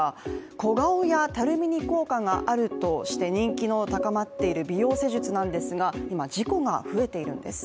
小顔やたるみに効果があるとして人気の高まっている美容施術なんですが、今、事故が増えているんです。